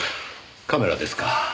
カメラですか。